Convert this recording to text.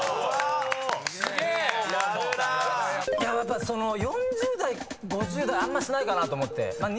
やっぱ４０代５０代はあんましないかなと思って。